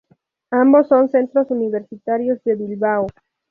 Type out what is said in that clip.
Ambos son centros universitarios de Bilbao.